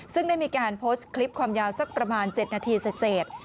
ซึ่งได้มีการโพสต์คลิปความยาวสักประมาณ๗นาทีเสร็จ